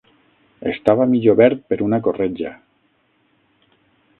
Estava mig obert per una corretja.